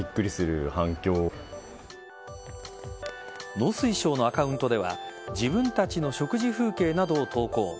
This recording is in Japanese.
農水省のアカウントでは自分たちの食事風景などを投稿。